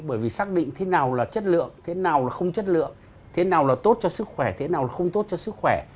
bởi vì xác định thế nào là chất lượng thế nào là không chất lượng thế nào là tốt cho sức khỏe thế nào là không tốt cho sức khỏe